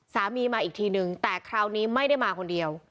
มาอีกทีนึงแต่คราวนี้ไม่ได้มาคนเดียว